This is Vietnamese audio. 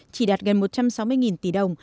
chỉ đạt gần một trăm sáu mươi tỷ đồng